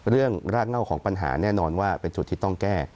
รากเง่าของปัญหาแน่นอนว่าเป็นจุดที่ต้องแก้